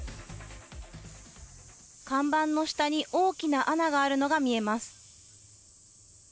看板の下に大きな穴があるのが見えます。